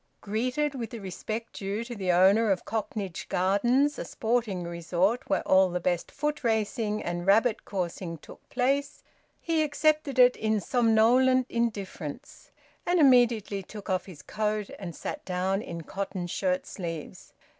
Greeted with the respect due to the owner of Cocknage Gardens, a sporting resort where all the best foot racing and rabbit coursing took place, he accepted it in somnolent indifference, and immediately took off his coat and sat down in cotton shirt sleeves.